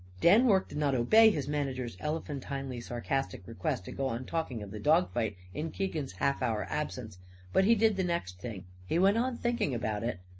Dan Rorke did not obey his manager's elephantinely sarcastic request to go on talking of the dog fight in Keegan's half hour absence. But he did the next thing he went on thinking about it.